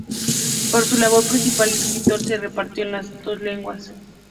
Pero su labor principal de escritor se repartió en las dos lenguas.